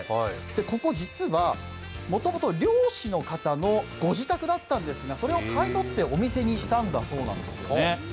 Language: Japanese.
ここ、実はもともと漁師の方のご自宅だったんですがそれを買い取ってお店にしたんだそうです。